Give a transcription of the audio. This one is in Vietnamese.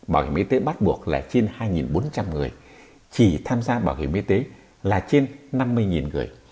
bảo hiểm y tế bắt buộc là trên hai bốn trăm linh người chỉ tham gia bảo hiểm y tế là trên năm mươi người